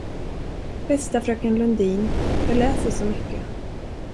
Bästa fröken Lundin, jag läser så mycket.